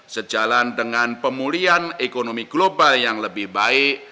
sejalan dengan pemulihan ekonomi global yang lebih baik